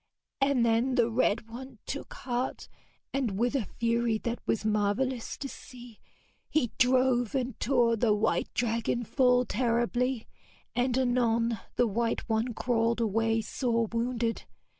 And then the red one took heart, and with a fury that was marvellous to see, he drove and tore the white dragon full terribly, and anon the white one crawled away sore wounded.